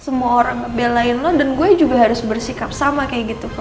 semua orang ngebelain lo dan gue juga harus bersikap sama kayak gitu ke lo